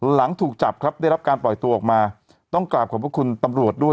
หลังถูกจับครับได้รับการปล่อยตัวออกมาต้องกราบขอบพระคุณตำรวจด้วย